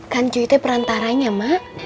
kan cuy tuh perantaranya mak